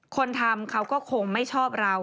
คนทำเขาก็คงไม่ชอบเรา